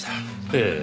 ええ。